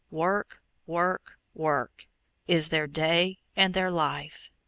Work, work, work, is their day and their life.